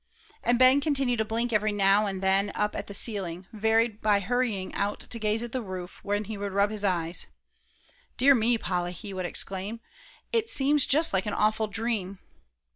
And Ben continued to blink every now and then up at the ceiling, varied by hurrying out to gaze at the roof, when he would rub his eyes. "Dear me, Polly!" he would exclaim, "it seems just like an awful dream."